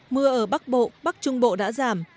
mưa ở bắc bộ bắc trung bộ đã giảm